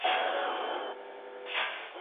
خپل نوی پلان په دقت سره تعقیب کړئ.